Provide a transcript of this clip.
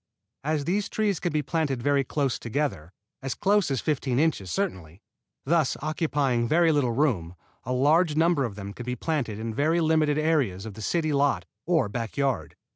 As these trees can be planted very close together as close as fifteen inches certainly thus occupying very little room, a large number of them can be planted in very limited areas of the city lot or backyard.